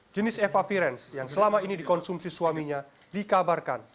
jenis evavirence yang selama ini dikonsumsi suaminya dikabarkan